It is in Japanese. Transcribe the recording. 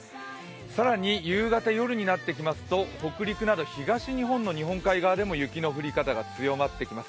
更に夕方、夜になってくると北陸など東日本の日本海側でも雪の降り方が強まってきます。